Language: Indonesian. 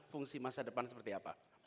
fungsi masa depan seperti apa